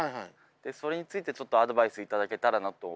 それについてちょっとアドバイスいただけたらなと。